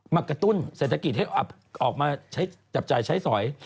กระตุ้นเศรษฐกิจให้ออกมาใช้จับจ่ายใช้สอย